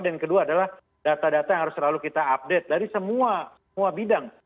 dan kedua adalah data data yang harus selalu kita update dari semua bidang